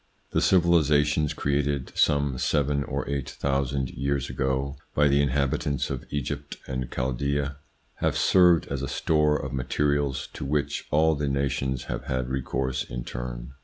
The civilisations created some seven or eight thousand years ago, by the inhabitants of Egypt and Chaldaea, have served as a store of materials to which all the nations have had recourse in turn.